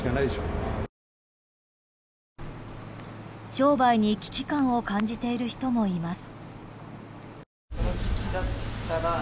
商売に危機感を感じている人もいます。